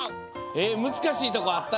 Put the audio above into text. えっむずかしいとこあった？